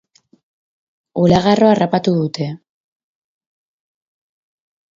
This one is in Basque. Olagarroa harrapatu dute.